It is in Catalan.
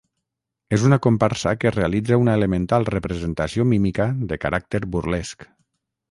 És una comparsa que realitza una elemental representació mímica de caràcter burlesc.